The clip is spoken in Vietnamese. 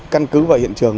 căn cứ vào hiện trường